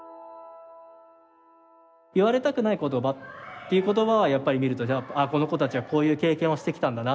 言われたくない言葉っていう言葉はやっぱり見ると「ああこの子たちはこういう経験してきたんだな」